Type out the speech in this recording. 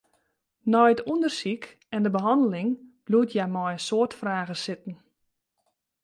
Nei it ûndersyk en de behanneling bliuwt hja mei in soad fragen sitten.